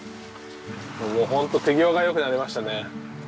もうホント手際が良くなりましたね。